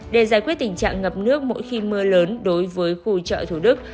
để giải quyết tình trạng ngập nước mỗi khi mưa lớn đối với khu chợ thủ đức